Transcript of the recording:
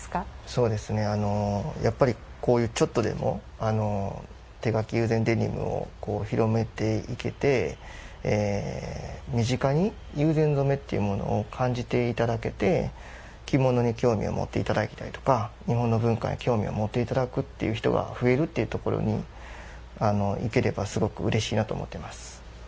そうですね、やっぱりちょっとでも手描き友禅デニムを広めていけて身近に友禅染というものを感じていただけて、着物に興味を持っていただきたいとか日本の文化に興味を持っていただくっていう人が増えるっていうところにいければすごくうれしいなと思ってます。